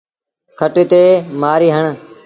کٽ تي مهآري هڻ۔